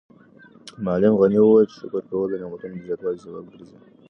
معلم غني وویل چې شکر کول د نعمتونو د زیاتوالي سبب ګرځي.